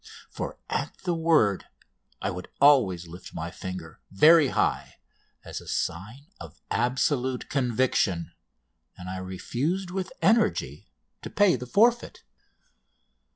for at the word I would always lift my finger very high, as a sign of absolute conviction, and I refused with energy to pay the forfeit.